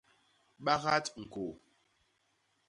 Bagat ñkôô.